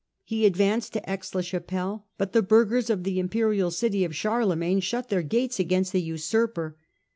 He advanced to Aix la Chapelle, but the burghers of the Imperial city of Charlemagne shut their gates against the usurper.